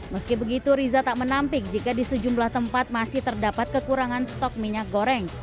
meski begitu riza tak menampik jika di sejumlah tempat masih terdapat kekurangan stok minyak goreng